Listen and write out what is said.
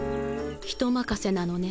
人まかせなのね